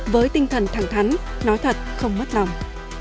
với tinh thần thẳng thắn nói thật không mất lòng